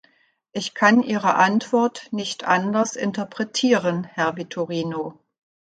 Ich kann Ihre Antwort nicht anders interpretieren, Herr Vitorino.